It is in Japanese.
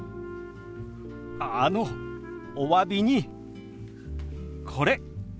あのおわびにこれ。